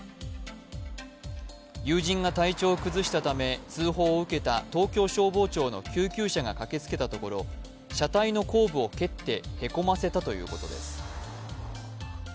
友人が体調を崩したため通報を受けた東京消防庁の救急車が駆けつけたところ、車体の後部を蹴ってへこませたということです。